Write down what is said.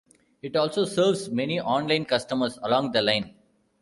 It also serves many online customers along the line.